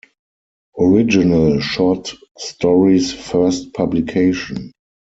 Original short stories first publication.